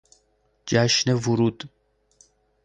جشن ورود